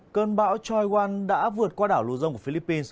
cơn bão choy wan đã vượt qua đảo lua dông của philippines